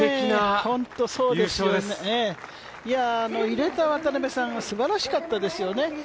入れた渡邉さんはすばらしかったですよね。